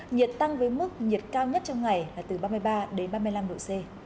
nhiệt tăng với mức nhiệt cao nhất trong ngày là từ ba mươi ba đến ba mươi năm độ c